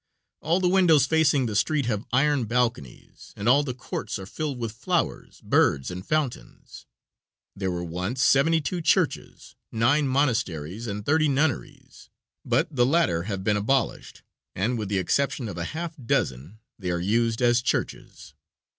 All the windows facing the street have iron balconies, and all the courts are filled with flowers, birds and fountains. There were once seventy two churches, nine monasteries and thirty nunneries, but the latter have been abolished, and, with the exception of a half dozen, they are used as churches.